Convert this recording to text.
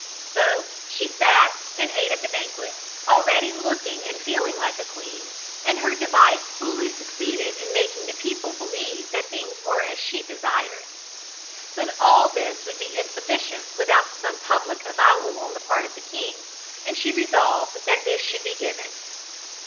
So she sat and ate at the banquet, already looking and feeling like a queen, and her device fully succeeded in making the people believe that things were as she desired. But all this would be insufficient without some public avowal on the part of the king, and she resolved that this should be given.